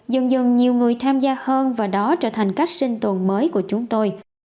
dần dần nhiều người tham gia hơn và đó trở thành cách sinh tồn mới của chúng tôi